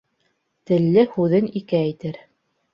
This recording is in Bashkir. Телле һүҙен ике әйтер.